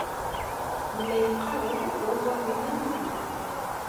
Yella yeqqar-d d aẓawali i yella.